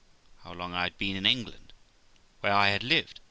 how long I had been in England? where I had lived?